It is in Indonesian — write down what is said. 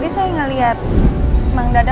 yes saya bakal pergitu